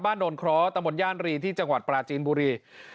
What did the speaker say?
บ้านโดนเคราะห์ตะหมดย่านรีที่จังหวัดปราจีนบุรี